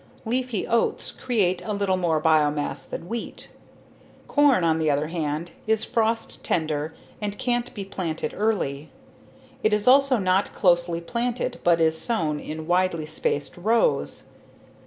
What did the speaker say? Leafy oats create a little more biomass than wheat. Corn, on the other hand, is frost tender and can't be planted early. It is also not closely planted but is sown in widely spaced rows.